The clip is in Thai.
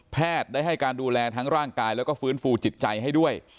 ได้ให้การดูแลทั้งร่างกายแล้วก็ฟื้นฟูจิตใจให้ด้วย